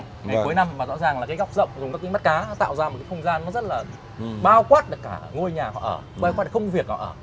thì cuối năm mà rõ ràng là cái góc rộng dùng các cái mắt cá nó tạo ra một cái không gian nó rất là bao quát được cả ngôi nhà họ ở bây khoát công việc họ ở